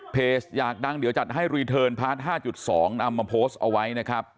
อยากดังเดี๋ยวจัดให้รีเทิร์นพาร์ท๕๒เอามาโพสต์เอาไว้นะครับ